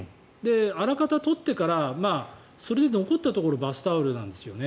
あらかた取ってからそれで残ったところをバスタオルなんですよね。